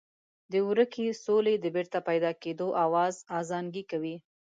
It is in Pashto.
د ورکې سولې د بېرته پیدا کېدو آواز ازانګې کوي.